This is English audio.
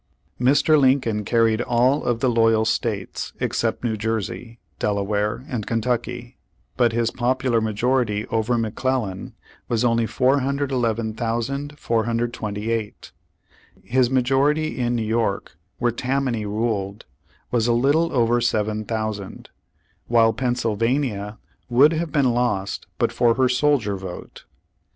"' Mr. Lincoln carried all of the loyal states, ex cept New Jersey, Delaware and Kentucky, but his popular majority over McClellan was only 411,428. His majority in New York, where Tam many ruled, was a little over seven thousand, while Pennsylvania would have been lost but for her soldier vote.